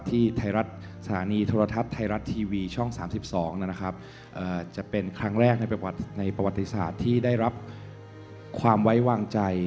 ที่ไทยรัฐสถานีโทรทัศน์ไทยรัฐทีวีช่อง๓๒นะครับจะเป็นครั้งแรกในประวัติศาสตร์ที่ได้รับความไว้วางใจ